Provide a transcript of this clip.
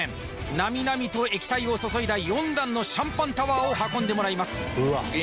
なみなみと液体を注いだ４段のシャンパンタワーを運んでもらいますうわっええ